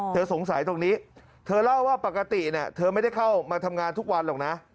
สงสัยตรงนี้เธอเล่าว่าปกติเธอไม่ได้เข้ามาทำงานทุกวันหรอกนะ